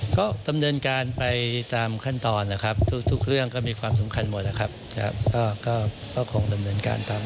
ก็ดำเนินการไปตามขั้นตอนนะครับทุกเรื่องก็มีความสำคัญหมดนะครับก็คงดำเนินการตาม